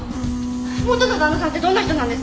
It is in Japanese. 元の旦那さんってどんな人なんですか？